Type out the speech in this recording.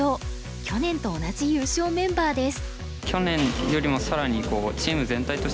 去年と同じ優勝メンバーです。